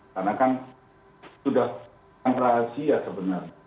karena kan sudah rahasia sebenarnya